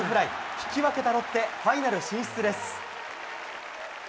引き分けたロッテファイナル進出です。